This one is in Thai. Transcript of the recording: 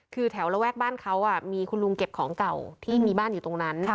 คือแถวระแวกบ้านเขามีคุณลุงเก็บของเก่าที่มีบ้านอยู่ตรงนั้น